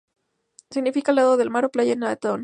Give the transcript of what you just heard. Significa "al lado del mar" o "playa" en letón.